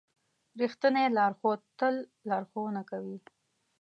رښتینی لارښود تل لارښوونه کوي.